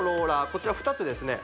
こちら２つですね